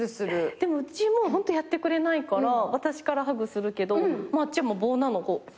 でもうちもホントやってくれないから私からハグするけどもうあっちは棒なの。